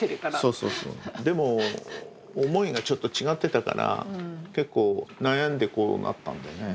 でも思いがちょっと違ってたから結構悩んでこうなったんだよね。